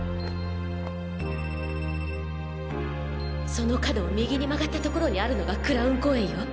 その角を右に曲がったところにあるのが蔵雲公園よ。